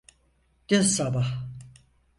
Dün sabah.